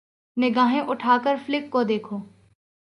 نگاھیں اٹھا کر فلک کو تو دیکھو